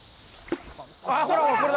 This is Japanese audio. ほらほら、これだ。